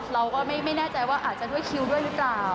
เราก็ไม่แน่ใจว่าอาจจะด้วยคิวด้วยหรือเปล่า